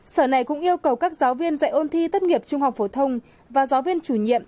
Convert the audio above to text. sở này cũng yêu cầu các giáo viên dạy ôn thi tốt nghiệp trung học phổ thông và giáo viên chủ nhiệm